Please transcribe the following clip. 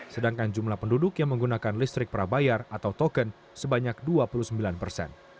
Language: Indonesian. sedangkan jumlah penduduk yang menggunakan listrik prabayar atau token sebanyak dua puluh sembilan persen